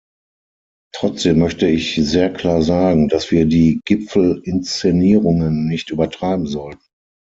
Trotzdem möchte ich sehr klar sagen, dass wir die Gipfelinszenierungen nicht übertreiben sollten.